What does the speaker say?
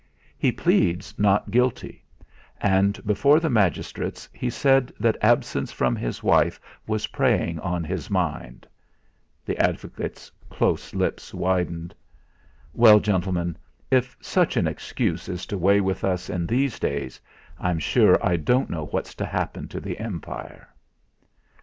He pleads not guilty; and before the magistrates he said that absence from his wife was preying on his mind" the advocate's close lips widened "Well, gentlemen, if such an excuse is to weigh with us in these days, I'm sure I don't know what's to happen to the Empire."